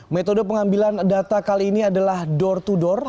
metode pengambilan data kali ini adalah door to door